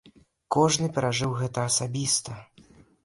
Кожны перажыў гэта асабіста.